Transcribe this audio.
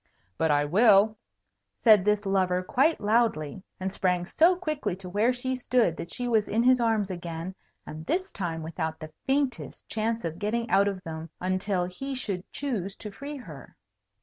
"But I will!" said this lover, quite loudly, and sprang so quickly to where she stood that she was in his arms again, and this time without the faintest chance of getting out of them until he should choose to free her.